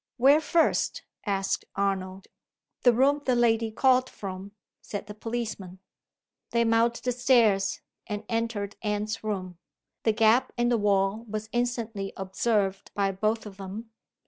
"Where first?" asked Arnold. "The room the lady called from," said the policeman They mounted the stairs, and entered Anne's room. The gap in the wall was instantly observed by both of them.